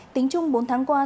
tính chung bốn tháng qua